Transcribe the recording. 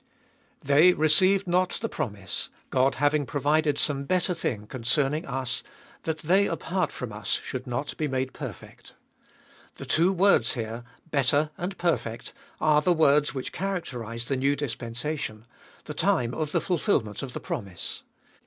They received not the promise, God having provided some better thing concerning us, that they apart from us should not be made perfect. The two words here, better and perfect, are the words which characterise the new dispensation, the time of the fulfilment of the promise.